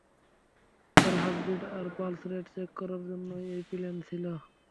তোর হার্টবিট আর pulse rate check করার জন্যই এই প্ল্যান ছিলো।